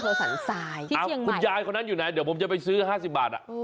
สันทรายคุณยายคนนั้นอยู่ไหนเดี๋ยวผมจะไปซื้อ๕๐บาท